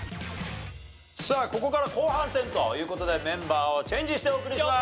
さあここから後半戦という事でメンバーをチェンジしてお送りします！